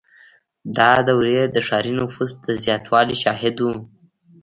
• دا دوره د ښاري نفوس د زیاتوالي شاهده وه.